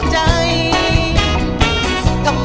ขอเชิญพบกับคุณการ